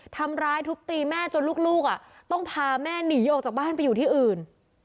ทำร้ายทุบตีแม่จนลูกต้องพาแม่หนีออกจากบ้านไปอยู่ที่อื่น